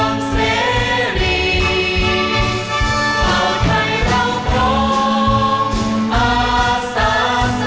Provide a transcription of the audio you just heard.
เมืองไทย